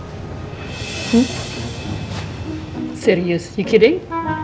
mas al diizinkan untuk pulang